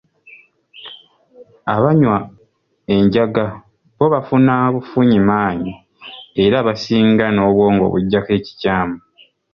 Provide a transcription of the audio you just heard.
Abanywa enjaga bo bafuna bufunyi maanyi era abasinga n'obwongo bujjako ekikyamu.